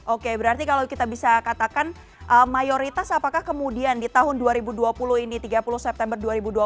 oke berarti kalau kita bisa katakan mayoritas apakah kemudian di tahun dua ribu dua puluh ini tiga puluh september dua ribu dua puluh